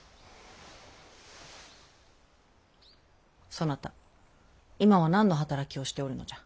そなた今は何の働きをしておるのじゃ。